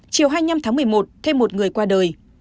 chiều hai mươi năm tháng một mươi một thêm một người qua đời